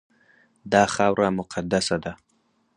دا خاوره مقدسه ده.